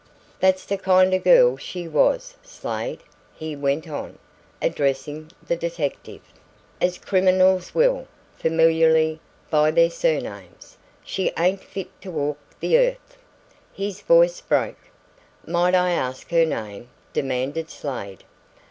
"That's the kind of girl she was, Slade," he went on, addressing the detective, as criminals will, familiarly by their surnames. "She ain't fit to walk the earth " His voice broke. "Might I ask her name?" demanded Slade.